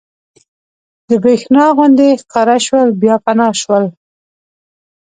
د برېښنا غوندې ښکاره شول بیا فنا شول.